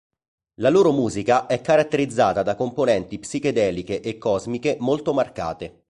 La loro musica è caratterizzata da componenti psichedeliche e cosmiche molto marcate.